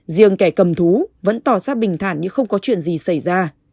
riêng kẻ cầm thú vẫn tỏ ra bình thản nhưng không có chuyện gì xảy ra